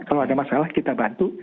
kalau ada masalah kita bantu